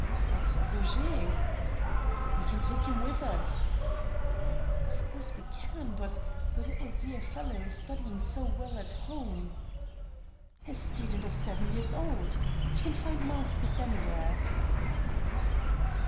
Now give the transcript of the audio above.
"But Roger?" ." We can take him with us." '' Of course we can, but the dear little bellow is studying so well at home !"" A student at seven years old ! You can find masters anv where."